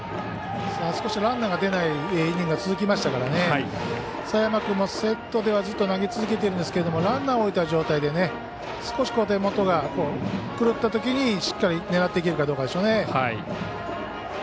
少しランナーが出ないイニングが続きましたから佐山君もセットではずっと投げ続けているんですがランナーを置いた状態で少し手元が狂ったときにしっかり狙っていけるかどうか。